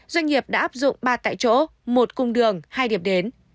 doanh nghiệp đã áp dụng ba tại chỗ một cung đường hai điểm đến